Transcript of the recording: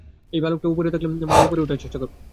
ওই ভালুকটা উপরে থাকলে মা ওঠার চেষ্টা করবে না।